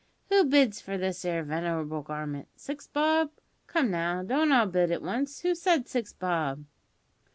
Who bids for this 'ere venerable garment? Six bob? Come now, don't all bid at once. Who said six bob?"